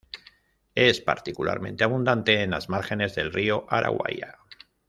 Es particularmente abundante en las márgenes del río Araguaia.